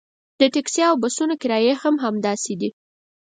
د ټکسي او بسونو کرایې هم همداسې دي.